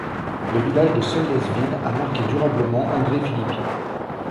Le village de Solliès-Ville a marqué durablement André Filippi.